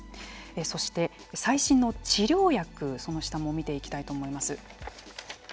そして、最新の治療薬その下も見ていきたいと思います。